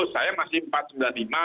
saya masih empat ratus sembilan puluh lima